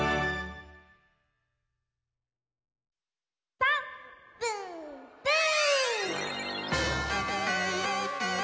「ぱっぷんぷぅ」